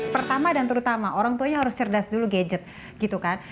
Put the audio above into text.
pertama dan terutama orang tuanya harus cerdas dulu gadget gitu kan